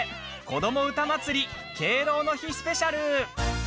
こどもうたまつり敬老の日スペシャル！」。